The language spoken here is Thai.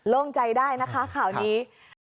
โล่งใจได้นะคะข่าวนี้